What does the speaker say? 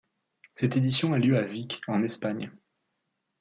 Cette édition a lieu à Vic, en Espagne.